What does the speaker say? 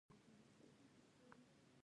کلي د افغانستان د طبیعت یوه برخه ده.